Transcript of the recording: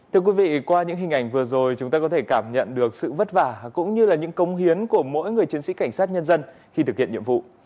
thưa quý vị qua những hình ảnh vừa rồi chúng ta có thể cảm nhận được sự vất vả cũng như là những công hiến của mỗi người chiến sĩ cảnh sát nhân dân khi thực hiện nhiệm vụ